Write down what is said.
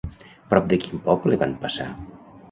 Prop de quin poble van passar?